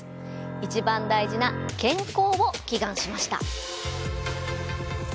一番大事な「健康」を祈願しました。